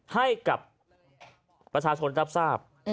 ให้กับประชาชนรับทราบ